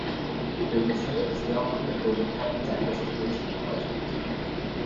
The reserve is now undergoing habitat restoration projects.